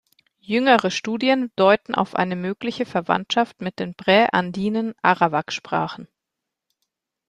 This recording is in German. Jüngere Studien deuten auf eine mögliche Verwandtschaft mit den prä-andinen Arawak-Sprachen.